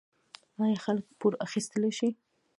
آیا خلک پور اخیستلی شي؟